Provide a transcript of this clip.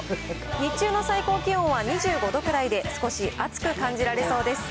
日中の最高気温は２５度くらいで少し暑く感じられそうです。